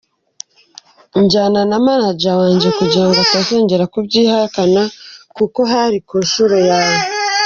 njyana manager wanjye kugira ngo atazongera kubyihakana kuko hari ku nshuro ya.